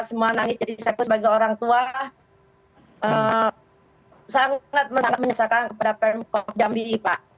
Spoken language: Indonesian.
sangat sangat menyesalkan kepada pemkop jambi pak